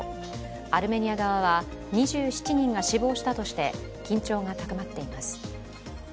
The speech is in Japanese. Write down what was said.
アルメニア側は２７人が死亡したとして、緊張が高まっています。